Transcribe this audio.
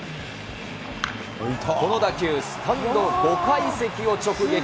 この打球、スタンド５階席を直撃。